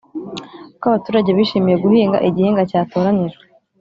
Uko abaturage bishimiye guhinga igihingwa cyatoranijwe